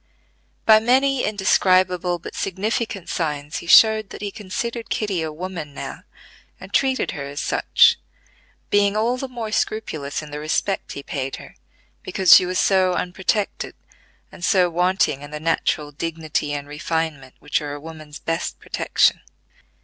By many indescribable but significant signs he showed that he considered Kitty a woman now and treated her as such, being all the more scrupulous in the respect he paid her, because she was so unprotected, and so wanting in the natural dignity and refinement which are a woman's best protection.